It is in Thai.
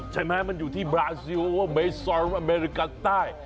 ใช่ไหมมันอยู่ที่บราซิโอเมซอนอเมริกาใต้